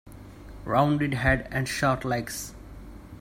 Rounded head and short legs.